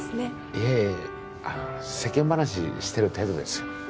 いえいえあの世間話してる程度ですよ